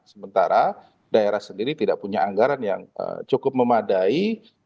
sementara daerah sendiri tidak punya anggaran yang cukup memadai